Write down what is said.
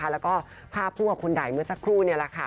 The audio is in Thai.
แล้วก็ภาพคู่กับคุณไดเมื่อสักครู่นี่แหละค่ะ